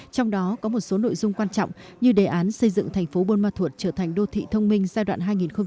trong đó có một số nội dung quan trọng như đề án xây dựng thành phố buôn ma thuột trở thành đô thị thông minh giai đoạn hai nghìn hai mươi hai nghìn hai mươi năm